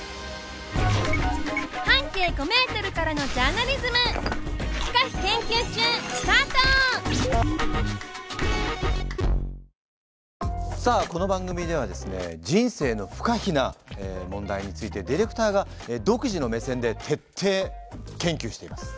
半径５メートルからのジャーナリズム「不可避研究中」スタート！さあこの番組ではですね人生の不可避な問題についてディレクターが独自の目線で徹底研究しています。